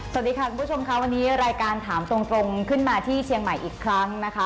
สวัสดีค่ะคุณผู้ชมค่ะวันนี้รายการถามตรงขึ้นมาที่เชียงใหม่อีกครั้งนะคะ